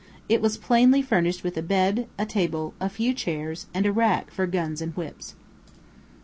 It was plainly furnished with a bed, a table, a few chairs, and a rack for guns and whips.